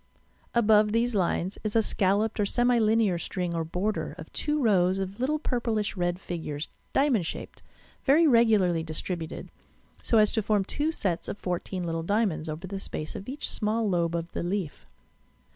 Above these lines is a scalloped or semi linear string or border of two rows of little purplish red figures, diamond shaped, very regularly distributed, so as to form two sets of fourteen little dia monds over the space of each small lobe of the leaf.